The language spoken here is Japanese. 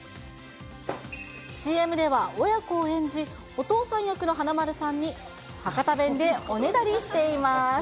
ＣＭでは親子を演じ、お父さん役の華丸さんに、博多弁でおねだりしています。